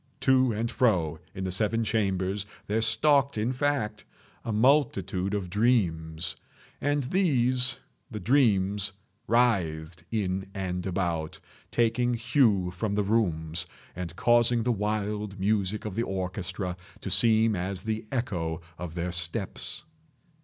To and fro in the seven chambers there stalked, in fact, a multitude of dreams. And these—the dreams—writhed in and about, taking hue from the rooms, and causing the wild music of the orchestra to seem as the echo of their steps.